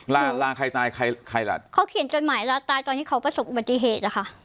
ลาลาใครตายใครใครล่ะเขาเขียนจดหมายลาตายตอนที่เขาประสบอุบัติเหตุอะค่ะ